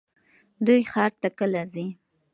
دوی ښار ته کله ځي؟